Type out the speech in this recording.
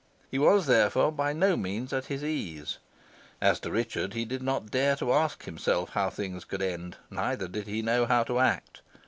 He was, therefore, by no means at his ease. As to Richard, he did not dare to ask himself how things would end, neither did he know how to act.